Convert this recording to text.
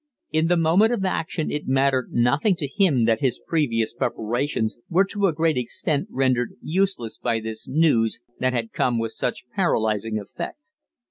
In the moment of action it mattered nothing to him that his previous preparations were to a great extent rendered useless by this news that had come with such paralyzing effect.